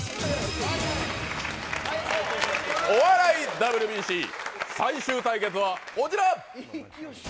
ＷＢＣ最終対決はこちら。